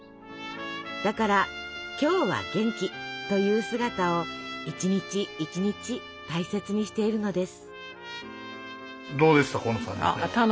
だから「今日は元気」という姿を一日一日大切にしているのです。